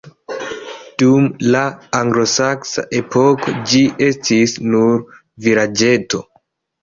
Dum la anglosaksa epoko ĝi estis nur vilaĝeto.